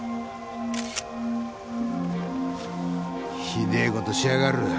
ひでえ事しやがる。